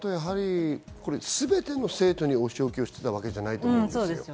これ、すべての生徒にお仕置きをしてたわけじゃないと思うんです。